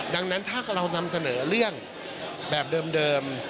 ดังนั้นถ้าเรานำเสนอเรื่องแบบเดิม